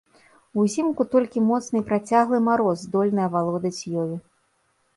Узімку толькі моцны і працяглы мароз здольны авалодаць ёю.